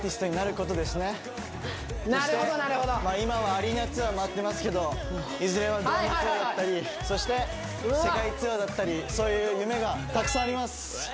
今はアリーナツアー回ってますけどいずれはドームツアーだったりそして世界ツアーだったりそういう夢がたくさんあります